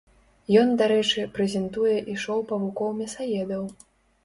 Ён, дарэчы, прэзентуе і шоу павукоў-мясаедаў.